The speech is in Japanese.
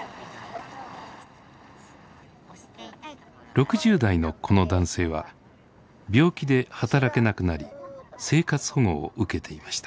６０代のこの男性は病気で働けなくなり生活保護を受けていました。